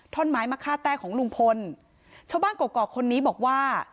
ไม้มะค่าแต้ของลุงพลชาวบ้านกรอกกอกคนนี้บอกว่า